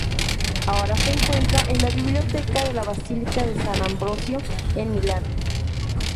Ahora se encuentra en la biblioteca de la Basílica de San Ambrosio en Milán.